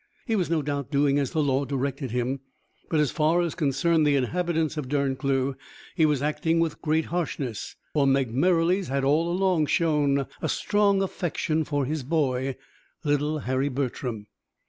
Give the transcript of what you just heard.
He was no doubt doing as the law directed him, but, as far as concerned the inhabitants of Derncleugh, he was acting with great harshness, for Meg Merrilies had all along shown a strong affection for his boy, little Harry Bertram.